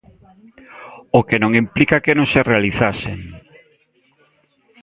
O que non implica que non se realizasen.